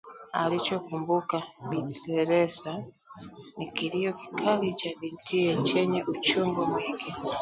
Alichokumbuka Bi Teresa ni kilio kikali cha bintiye chenye uchungu mwingi